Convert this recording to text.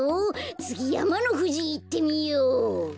つぎやまのふじいってみよう。